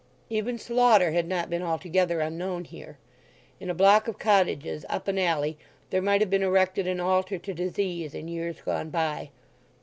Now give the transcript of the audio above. Even slaughter had not been altogether unknown here. In a block of cottages up an alley there might have been erected an altar to disease in years gone by.